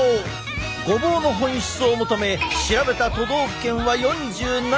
ごぼうの本質を求め調べた都道府県は４７。